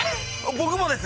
僕もです！